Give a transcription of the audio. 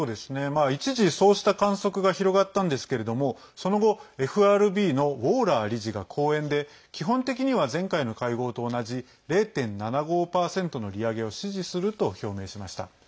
一時そうした観測が広がったんですけれどもその後ＦＲＢのウォーラー理事が講演で基本的には前回の会合と同じ０．７５％の利上げを支持すると表明しました。